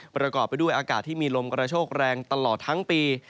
ประกอบไปด้วยอากาศที่มีลมกระโชกแรงตลอดทั้งปี